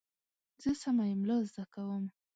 زه سمه املا زده کوم.